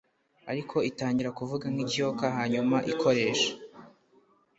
ariko itangira kuvuga nk ikiyoka hanyuma ikoresha